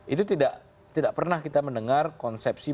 itu tidak pernah kita mendengar konsepsi